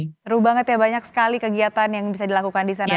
seru banget ya banyak sekali kegiatan yang bisa dilakukan di sana